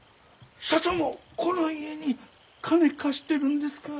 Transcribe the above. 社長もこの家に金貸してるんですか？